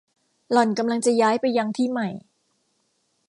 หล่อนกำลังจะย้ายไปยังที่ใหม่